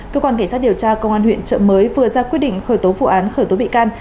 cơ quan cảnh sát điều tra công an huyện trợ mới vừa ra quyết định khởi tố vụ án khởi tố bị can